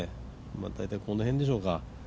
大体この辺でしょうか。